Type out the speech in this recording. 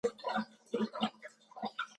کچالو له نیم پخلي هم خوند ورکوي